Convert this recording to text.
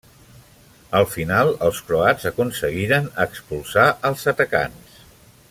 Al final els croats aconseguiren expulsar els atacants.